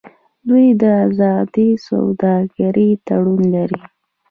دوی د ازادې سوداګرۍ تړون لري.